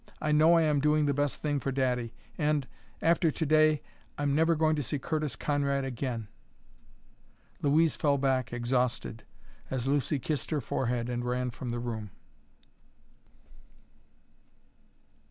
I know I am doing the best thing for daddy and after to day, I'm never going to see Curtis Conrad again!" Louise fell back, exhausted, as Lucy kissed her forehead and ran from the room.